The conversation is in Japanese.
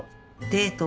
デデート？